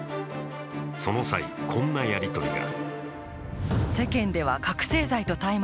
その際、こんなやりとりが。